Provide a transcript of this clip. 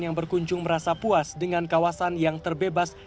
yang berkunjung merasa puas dengan kawasan yang terbebas